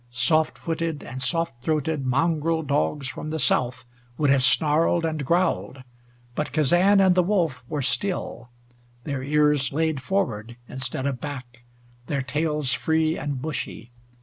Soft footed and soft throated mongrel dogs from the South would have snarled and growled, but Kazan and the wolf were still, their ears laid forward instead of back, their tails free and bushy.